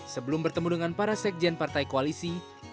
sebelum bertemu dengan para sekjen partai koalisi